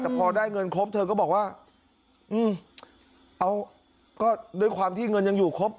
แต่พอได้เงินครบเธอก็บอกว่าอืมเอาก็ด้วยความที่เงินยังอยู่ครบ